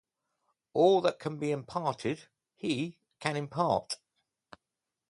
All that can be imparted, he can impart.